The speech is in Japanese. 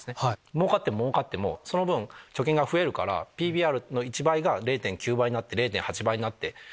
もうかってももうかってもその分貯金が増えるからＰＢＲの１倍が０．９倍になって０．８倍になってみたいな。